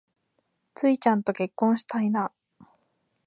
ツウィちゃんと結婚したいな